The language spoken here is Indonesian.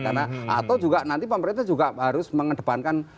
karena atau juga nanti pemerintah juga harus mengedepankan